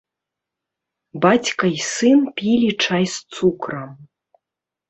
Бацька і сын пілі чай з цукрам.